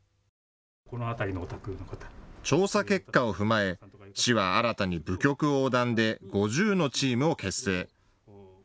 調査結果を踏まえ市は新たに部局横断で５０のチームを結成。